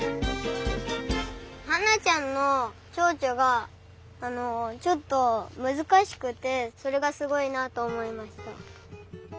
ハンナちゃんのチョウチョがちょっとむずかしくてそれがすごいなとおもいました。